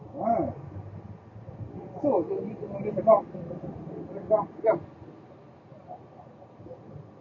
โปรดติดตามตอนต่อไป